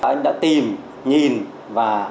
anh đã tìm nhìn và